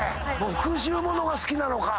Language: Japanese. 復讐物が好きなのか。